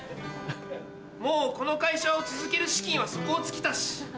もうこの会社を続ける資金は底をつきたし。